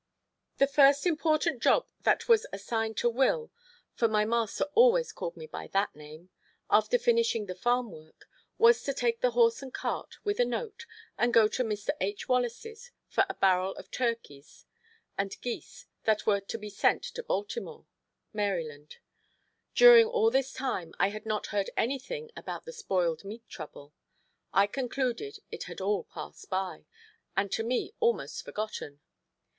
The first important job that was assigned to Will (for my master always called me by that name), after finishing the farm work, was to take the horse and cart, with a note, and go to Mr. H. Wallace's for a barrel of turkeys and geese that were to be sent to Baltimore, Md. During all this time I had not heard anything about the spoiled meat trouble. I concluded it had all passed by, and to me almost forgotten.